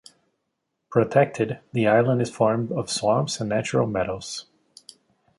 Protected, the island is formed of swamps and natural meadows.